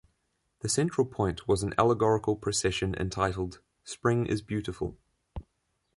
The central point was an allegorical procession entitled "Spring is Beautiful".